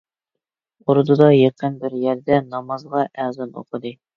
ئوردىدا يېقىن بىر يەردە نامازغا ئەزان ئوقۇدى.